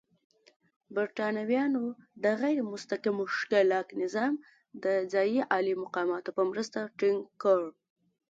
برېټانویانو د غیر مستقیم ښکېلاک نظام د ځايي عالي مقامانو په مرسته ټینګ کړ.